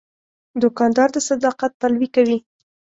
دوکاندار د صداقت پلوي کوي.